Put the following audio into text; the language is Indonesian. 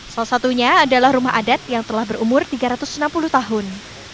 salah satunya adalah rumah adat yang telah berumur tiga ratus enam puluh tahun